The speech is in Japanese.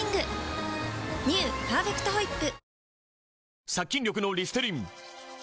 「パーフェクトホイップ」